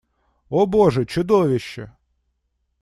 О боже, чудовище!